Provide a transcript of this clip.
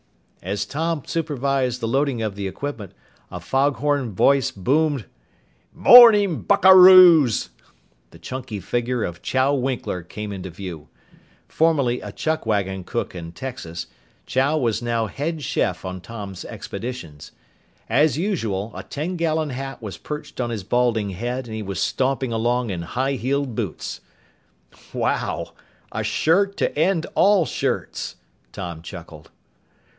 As Tom supervised the loading of the equipment, a foghorn voice boomed, "'Mornin', buckaroos!" The chunky figure of Chow Winkler came into view. Formerly a chuck wagon cook in Texas, Chow was now head chef on Tom's expeditions. As usual, a ten gallon hat was perched on his balding head and he was stomping along in high heeled boots. "Wow! A shirt to end all shirts!" Tom chuckled.